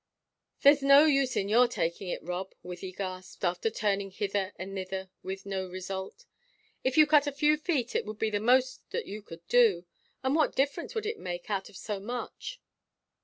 "There's no use in your taking it, Rob," Wythie gasped, after turning hither and thither with no result. "If you cut a few feet it would be the most that you could do, and what difference would it make out of so much?"